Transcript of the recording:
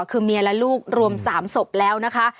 คือเมียและลูกรวม๓ศพแล้วนะคะ